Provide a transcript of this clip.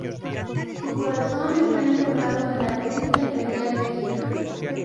Su corazón está enterrado en la Cripta Imperial de Viena.